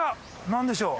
何でしょう？